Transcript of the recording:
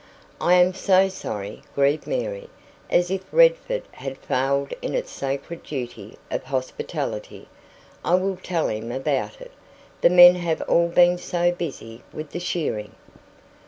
"I am so sorry," grieved Mary, as if Redford had failed in its sacred duty of hospitality. "I will tell him about it. The men have all been so busy with the shearing."